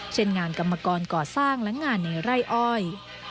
เช่นงานกรรมกรก่อสร้างและงานในไร่อ้อย